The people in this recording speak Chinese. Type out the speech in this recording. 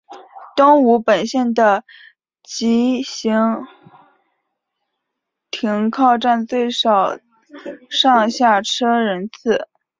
东武本线的急行停靠站最少上下车人次。